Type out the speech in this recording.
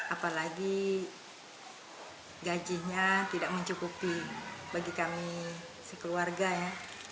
apalagi gajinya tidak mencukupi bagi kami sekeluarga ya